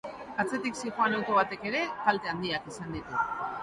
Atzetik zihoan auto batek ere kalte handiak izan ditu.